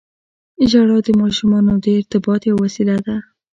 • ژړا د ماشومانو د ارتباط یوه وسیله ده.